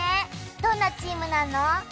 どんなチームなの？